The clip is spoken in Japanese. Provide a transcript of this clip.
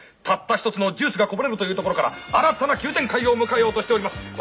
たった１つのジュースがこぼれるというところから新たな急展開を迎えようとしております。